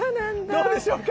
どうでしょうか？